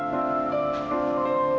ma aku mau pergi